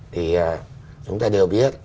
thì chúng ta đều biết